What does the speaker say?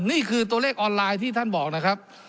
นี่คือตัวเลขออนไลน์ที่ท่านบอกนะครับ